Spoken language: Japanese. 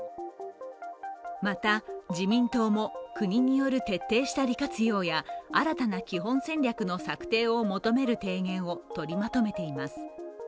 また自民党も国による徹底した利活用や新たな基本戦略の策定を求める提言を取りまとめています。